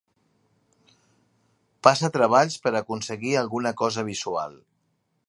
Passa treballs per a aconseguir alguna cosa visual.